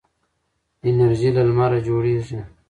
انرژي له لمره جوړیږي.